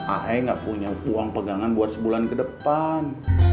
ahy gak punya uang pegangan buat sebulan ke depan